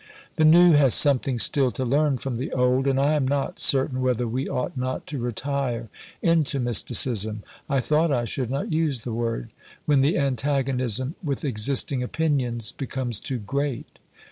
The new has something still to learn from the old; and I am not certain whether we ought not to retire into mysticism (I thought I should not use the word) when the antagonism with existing opinions becomes too great."